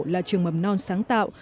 là trường mầm non sáng tạo